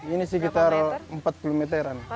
ini sekitar empat puluh meteran